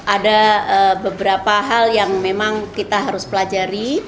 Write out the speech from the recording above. ada beberapa hal yang memang kita harus pelajari